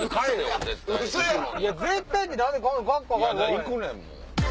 行くねんもん。